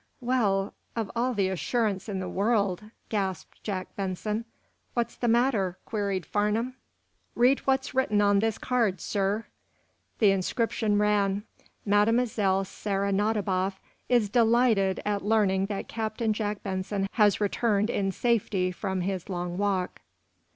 "Well, of all the assurance in the world?" gasped Jack Benson. "What's the matter!" queried Farnum. "Read what's written on this card, sir." The inscription ran: "Mlle. Sara Nadiboff is delighted at learning that Captain Jack Benson has returned in safety from his long walk."